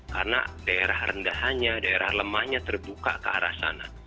karena daerah rendahannya daerah lemahnya terbuka ke arah sana